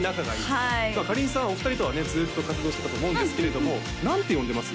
はいかりんさんはお二人とはねずっと活動してたと思うんですけれども何て呼んでます？